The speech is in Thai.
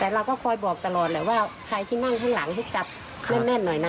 แต่เราก็คอยบอกตลอดแหละว่าใครที่นั่งข้างหลังให้จับแม่นหน่อยนะ